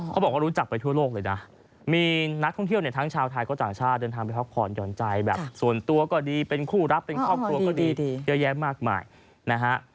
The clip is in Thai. เขาบอกว่ารู้จักไปทั่วโลกเลยนะมีนักท่องเที่ยวเนี่ยทั้งชาวไทยก็ต่างชาติเดินทางไปพักผ่อนหย่อนใจแบบส่วนตัวก็ดีเป็นคู่รักเป็นครอบครัวก็ดีเยอะแยะมากมายนะฮะ